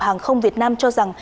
hàng không việt nam cho rằng